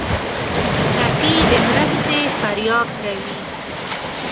ټپي د مرستې فریاد کوي.